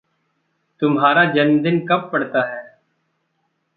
तुम्हारा जन्मदिन कब पड़ता है?